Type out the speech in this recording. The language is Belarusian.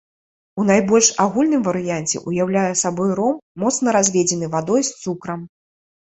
У найбольш агульным варыянце, уяўляе сабой ром, моцна разведзены вадой з цукрам.